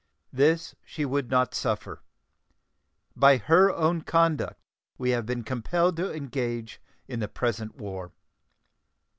This she would not suffer. By her own conduct we have been compelled to engage in the present war.